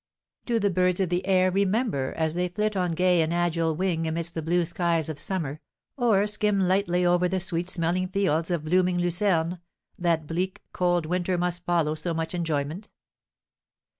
Do the birds of the air remember, as they flit on gay and agile wing amidst the blue skies of summer, or skim lightly over the sweet smelling fields of blooming lucerne, that bleak, cold winter must follow so much enjoyment?